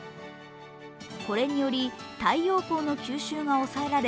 これにより、太陽光の九州が抑えらえ